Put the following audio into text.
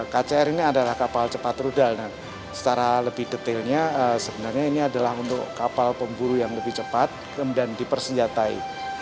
kcr ini adalah kapal cepat rudal secara lebih detailnya sebenarnya ini adalah untuk kapal pemburu yang lebih cepat kemudian dipersenjatai